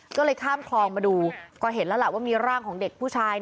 ก็เลยข้ามคลองมาดูก็เห็นแล้วล่ะว่ามีร่างของเด็กผู้ชาย